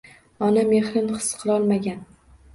Ona mexrin his qilolmagan